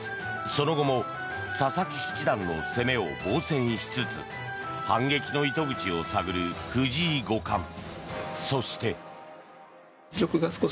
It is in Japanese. その後も佐々木七段の攻めを防戦しつつ反撃の糸口を探る藤井五冠。